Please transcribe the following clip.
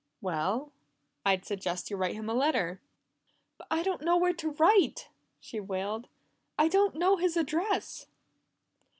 "Well, I'd suggest you write him a letter." "But I don't know where to write!" she wailed. "I don't know his address!"